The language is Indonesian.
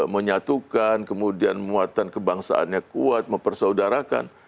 menyatukan kemudian muatan kebangsaannya kuat mempersaudarakan